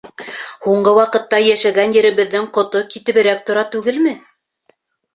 Һуңғы ваҡытта йәшәгән еребеҙҙең ҡото китеберәк тора түгелме?